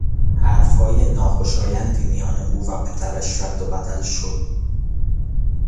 حرفهای ناخوشایندی میان او و پدرش رد و بدل شد.